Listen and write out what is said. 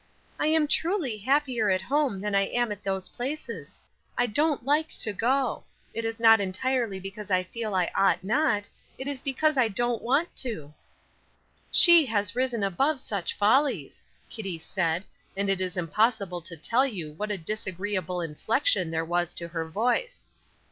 "I am truly happier at home than I am at those places; I don't like to go. It is not entirely because I feel I ought not; it is because I don't want to." "She has risen above such follies," Kitty said, and it is impossible to tell you what a disagreeable inflection there was to her voice.